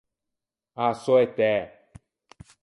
A-a sò etæ.